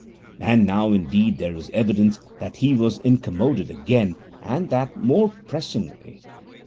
And now, indeed, there is evidence that he was incommoded again, and that more pressingly.